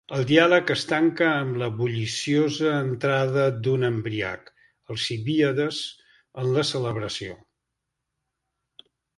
El diàleg es tanca amb la bulliciosa entrada d'un embriac, Alcibíades, en la celebració.